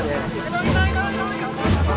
gak apa apa ian